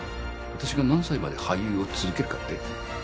私が何歳まで俳優を続けるかって？